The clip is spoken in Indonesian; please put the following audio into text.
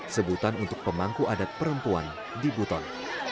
sebutan untuk pemangku adat perempuan di buton